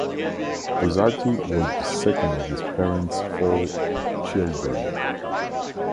Buzzati was the second of his parents' four children.